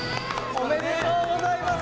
おめでとうございます。